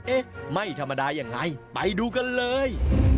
เอ๊ะไม่ธรรมดายังไงไปดูกันเลย